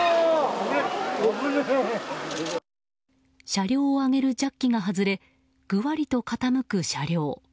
車両を上げるジャッキが外れぐわりと傾く車両。